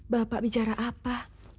bapak bicara apa